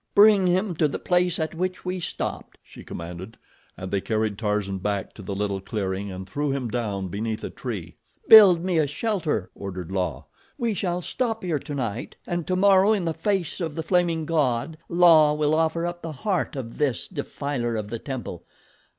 "Bring him to the place at which we stopped," she commanded and they carried Tarzan back to the little clearing and threw him down beneath a tree. "Build me a shelter!" ordered La. "We shall stop here tonight and tomorrow in the face of the Flaming God, La will offer up the heart of this defiler of the temple.